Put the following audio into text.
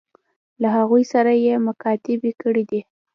له هغوی سره یې مکاتبې کړي دي.